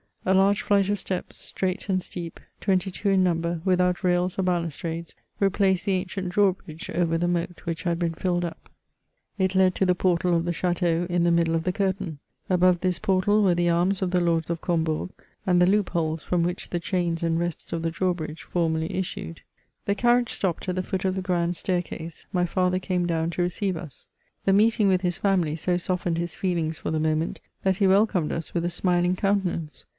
A large flight of steps, straight and steep, twenty two in number, without rails or balustrades, replaced the andent drawbridge over the moat which had been filled up ; it led to the portal of the chateau, in the middle of the curtain. Above this portal were the arms of the Lords of Combourg, and the loop holes from which the chains and rests of the drawbridge formerly issued. The carriage stopped at the foot of the grand staircase. My father came down to receive us. The meetmg with his family so s<^ned his feelings for the moment, that he welcomed us with a smiling countenance.